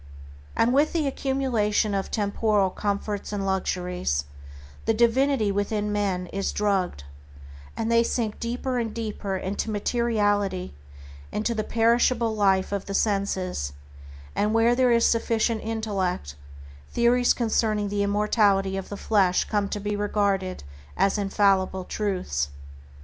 And with the accumulation of temporal comforts and luxuries, the divinity within men is drugged, and they sink deeper and deeper into materiality, into the perishable life of the senses, and where there is sufficient intellect, theories concerning the immortality of the flesh come to be regarded as infallible truths.